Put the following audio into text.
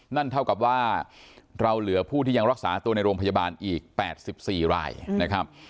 นั่นเท่ากับว่าเราเหลือผู้ที่ยังรักษาตัวในโรงพยาบาลอีก๘๔รายนะครับ